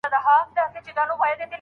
فیصله وکړه خالق د کایناتو